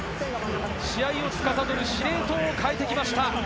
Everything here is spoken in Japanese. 試合をつかさどる司令塔を代えてきました。